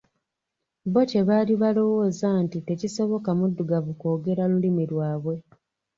Bo kye baali balowooza nti tekisoboka mudugavu kwogera lulimi lwabwe.